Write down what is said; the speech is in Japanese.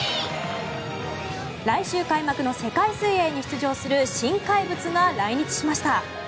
来週開幕の世界水泳に出場するシン・怪物が来日しました。